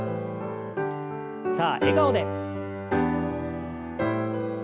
さあ笑顔で。